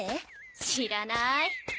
知らなーい。